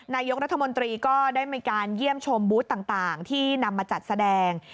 นายกรัฐมนตรีก็ได้มีการเยี่ยมชมบูธต่างที่นำมาจัดแสดง